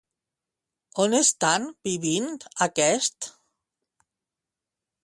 On estan vivint aquests?